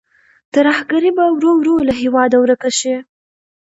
ترهګري به ورو ورو له هېواده ورکه شي.